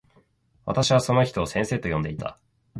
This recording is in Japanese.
私はその人を先生と呼んでいた。